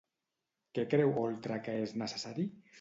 Què creu Oltra que és necessari?